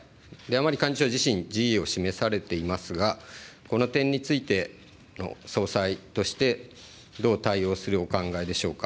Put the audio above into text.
甘利幹事長自身、辞意を示されていますが、この点について、総裁としてどう対応するお考えでしょうか。